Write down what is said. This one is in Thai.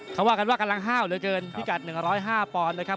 เขาว่ากันว่ากำลังห้าวเหลือเกินพิกัด๑๐๕ปอนด์นะครับ